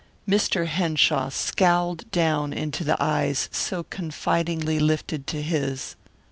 Mr. Henshaw scowled down into the eyes so confidingly lifted to his.